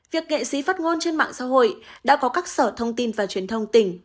việc nghệ sĩ phát ngôn trên mạng xã hội đã có các sở thông tin và truyền thông tỉnh